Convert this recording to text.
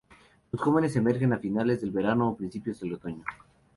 Los jóvenes emergen a finales del verano o a principios del otoño.